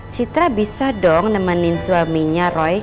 citra bisa dong nemenin suaminya roy